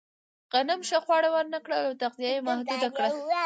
غنم ښه خواړه ورنهکړل او تغذیه یې محدوده کړه.